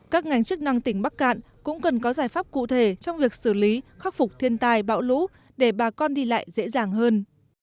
các ngành chức năng tỉnh bắc cạn cũng cần có giải pháp cụ thể trong việc xử lý khắc phục thiên tài bão lũ để bà con đi lại dễ dàng hơn